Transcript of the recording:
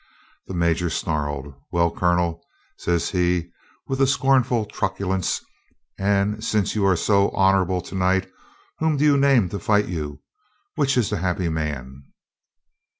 The major snarled. "Well, Colonel," says he, with a scornful truculence, "and since you are so honorable to night, whom do you name to fight you — which is the happy man